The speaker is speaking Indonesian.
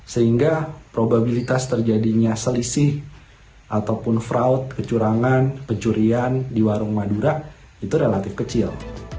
sehingga probabilitas terjadinya selisih ataupun fraud kecurangan pencurian di warung madura itu relatif kecil